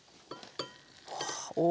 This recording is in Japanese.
お。